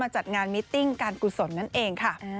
จัดงานมิตติ้งการกุศลนั่นเองค่ะ